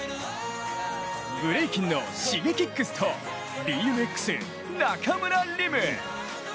ブレイキンのＳｈｉｇｅｋｉｘとＢＭＸ・中村輪夢。